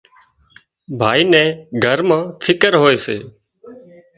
ڀائي نين گھر مان فڪر هوئي سي